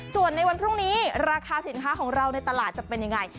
ส่วนในวันพรุ่งนี้ราคาสินค้าของเราในตลาดจะเป็นยังไง